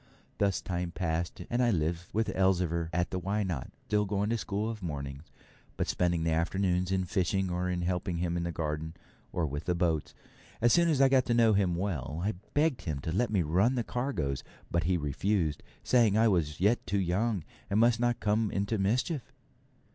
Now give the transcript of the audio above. Thus time passed, and I lived with Elzevir at the Why Not?, still going to school of mornings, but spending the afternoons in fishing, or in helping him in the garden, or with the boats. As soon as I got to know him well, I begged him to let me help run the cargoes, but he refused, saying I was yet too young, and must not come into mischief.